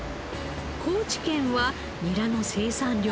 高知県はニラの生産量日本一。